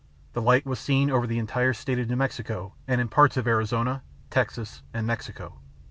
The light was seen over the entire state of New Mexico and in parts of Arizona, Texas, and Mexico.